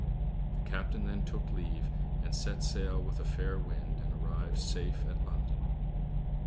The captain then took leave, and set sail with a fair wind, and arrived safe at London.